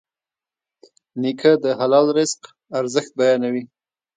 نیکه د حلال رزق ارزښت بیانوي.